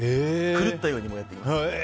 狂ったようにやっていきます。